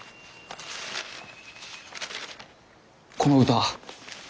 この歌。